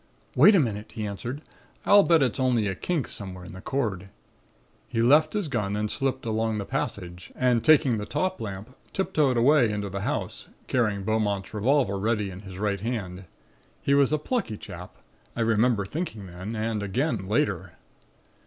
"'Wait a minute,' he answered. 'I'll bet it's only a kink somewhere in the cord.' He left his gun and slipped along the passage and taking the top lamp, tiptoed away into the house, carrying Beaumont's revolver ready in his right hand. He was a plucky chap, I remember thinking then, and again, later.